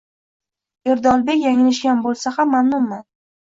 — Erdolbek, yanglishgan bo'lsam ham mamnunman.